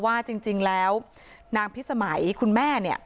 ว่าจริงแล้วนางพิสมัยคุณแม่เนี่ย